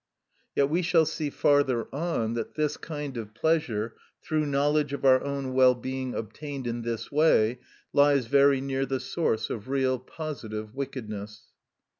_" Yet we shall see farther on that this kind of pleasure, through knowledge of our own well being obtained in this way, lies very near the source of real, positive wickedness.